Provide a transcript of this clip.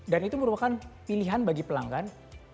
dan itu merupakan pilihan bagi pelanggan